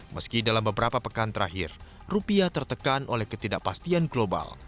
meski dalam beberapa pekan terakhir rupiah tertekan oleh ketidakpastian global